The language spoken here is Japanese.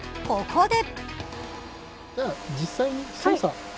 と、ここで。